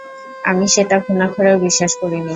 আমি সেটা ঘুনাক্ষুরেও বিশ্বাস করিনি।